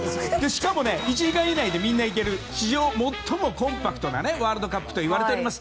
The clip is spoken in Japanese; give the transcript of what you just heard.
しかも、１時間以内で行ける史上最もコンパクトなワールドカップといわれています。